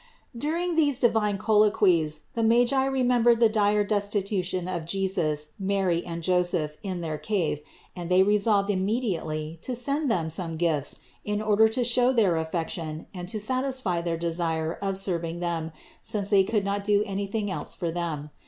During these divine colloquies the Magi remem bered the dire destitution of Jesus, Mary and Joseph in their cave, and they resolved immediately to send them some gifts in order to show their affection and to satisfy their desire of serving them, since they could not do any thing else for them.